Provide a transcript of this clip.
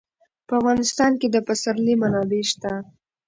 په افغانستان کې د پسرلی منابع شته.